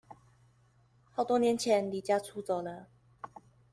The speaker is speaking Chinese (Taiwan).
好多年前離家出走了